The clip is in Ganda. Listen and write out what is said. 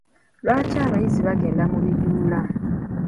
Lwaki abayizi bagenda mu biduula?